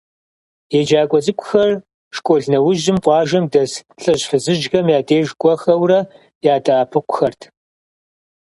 Еджакӏуэ цӏыкӏухэр школ нэужьым къуажэм дэс лӏыжь-фызыжьхэм я деж кӏуэхэурэ, ядэӏэпыкъухэрт.